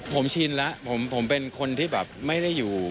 ผมชินแล้วผมเป็นคนที่แบบไม่ได้อยู่